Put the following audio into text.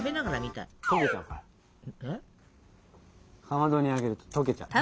かまどにあげるととけちゃう。